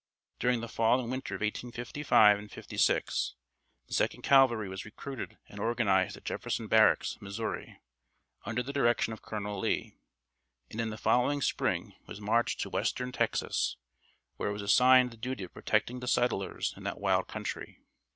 During the fall and winter of 1855 and '56, the Second Cavalry was recruited and organised at Jefferson Barracks, Missouri, under the direction of Colonel Lee, and in the following spring was marched to western Texas, where it was assigned the duty of protecting the settlers in that wild country.